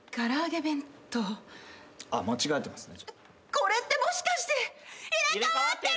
これってもしかして入れ替わってる！？